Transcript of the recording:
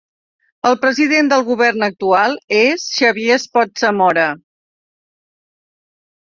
El president del Govern actual és Xavier Espot Zamora.